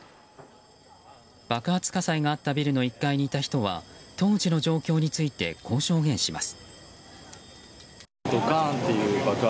爆発火災があったビルの１階にいた人は当時の状況についてこう証言します。